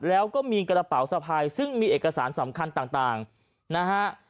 แล้วก็มีกระเป๋าสะพายซึ่งมีเอกสารสำคัญต่างนะฮะ